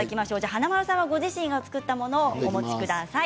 華丸さんはご自身が作ったものをお持ちください。